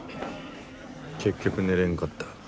結局寝れんかった。